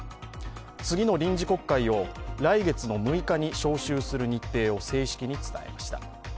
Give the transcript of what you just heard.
次の臨時国会を来月６日に召集する日程を正式に伝えました。